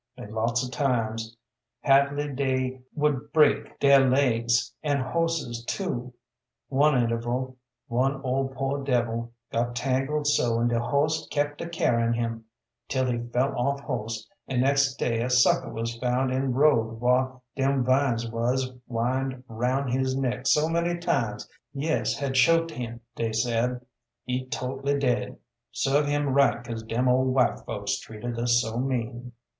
An' lots of times, badly dey would break dere legs and horses too; one interval one ol' poor devil got tangled so an' de horse kept a carryin' him, 'til he fell off horse and next day a sucker was found in road whar dem vines wuz wind aroun' his neck so many times yes had choked him, dey said, "He totely dead." Serve him right 'cause dem ol' white folks treated us so mean.